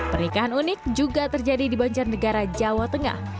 pernikahan unik juga terjadi di banjar negara jawa tengah